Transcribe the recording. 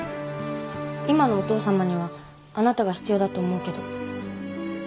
今のお父さまにはあなたが必要だと思うけど。